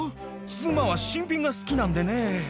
妻は新品が好きなんでね。